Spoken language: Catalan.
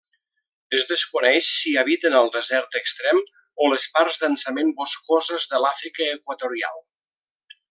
Es desconeix si habiten al desert extrem o les parts densament boscoses de l'Àfrica equatorial.